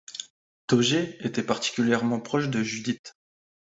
Toger était particulièrement proche de Judith.